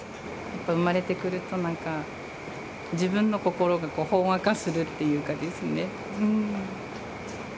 やっぱり生まれてくるとなんか自分の心がこうほんわかするっていうかですねうん。